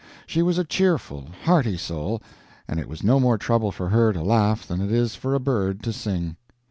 She was a cheerful, hearty soul, and it was no more trouble for her to laugh than it is for a bird to sing.